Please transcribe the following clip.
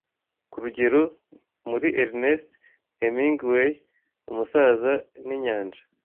Kurugero, muri Ernest Hemingway Umusaza ninyanja